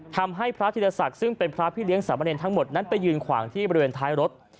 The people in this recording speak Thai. ทำให้พระธิรศักดิ์ซึ่งเป็นพระพี่เลี้ยสามเนรทั้งหมดนั้นไปยืนขวางที่บริเวณท้ายรถ